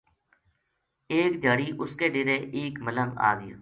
ایک دھیاڑی اس کے ڈیرے ایک ملنگ آ گیو